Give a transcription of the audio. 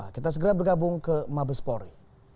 kita segera bergabung ke mabespori